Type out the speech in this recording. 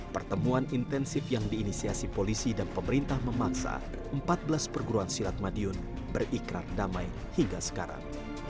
pertemuan intensif yang diinisiasi polisi dan pemerintah memaksa empat belas perguruan silat madiun berikrar damai hingga sekarang